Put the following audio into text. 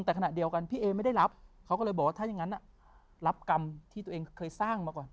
แต่ขณะเดียวกันพี่เอไม่ได้รับเขาก็เลยบอกว่าถ้าอย่างนั้นรับกรรมที่ตัวเองเคยสร้างมาก่อน